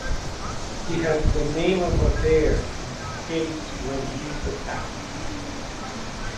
He has the name of a bear and escapes when he is attacked.